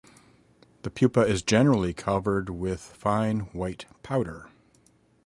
The pupa is generally covered with fine white powder.